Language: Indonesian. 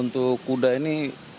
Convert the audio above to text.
untuk kuda kuda ini